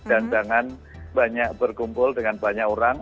dan jangan banyak berkumpul dengan banyak orang